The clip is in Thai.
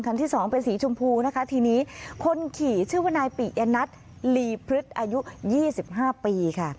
ที่สองเป็นสีชมพูนะคะทีนี้คนขี่ชื่อว่านายปิยนัทลีพฤษอายุ๒๕ปีค่ะ